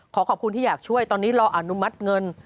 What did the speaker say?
ขอขอบคุณที่อยากช่วยตอนนี้เราอนุมัติเงิน